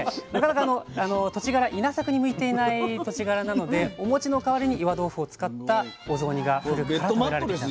土地柄稲作に向いていない土地柄なのでお餅の代わりに岩豆腐を使ったお雑煮が振る舞われられていたと。